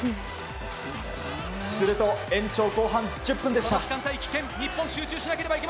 すると、延長後半１０分でした。